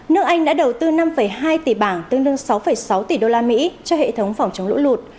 nước anh đã đầu tư năm hai tỷ bảng tương đương sáu sáu tỷ usd cho hệ thống phòng chống lũ lụt